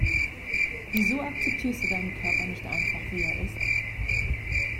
Wieso akzeptierst du deinen Körper nicht einfach, wie er ist?